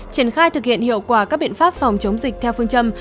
triển khai thực hiện hiệu quả các biện pháp phòng chống dịch theo phương châm